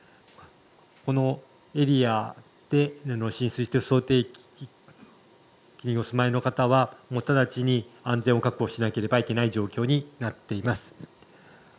このエリアで浸水している想定の地域の住まいの方は直ちに安全を確保しなければいけない状況になっています。